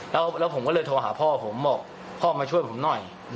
แล้วผมก็เลยโทรหาพ่อผมบอกพ่อมาช่วยผมหน่อย